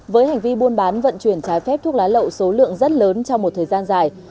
với hành vi buôn bán vận chuyển trái phép thuốc lá lậu số lượng rất lớn trong một thời gian dài